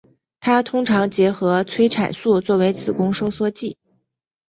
它通常结合催产素作为子宫收缩剂。